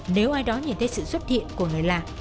nếu ai đó nhìn thấy sự xuất hiện của người lạ